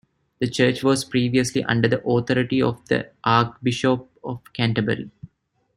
The church was previously under the authority of the Archbishop of Canterbury.